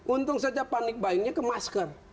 untung saja panik buyingnya ke masker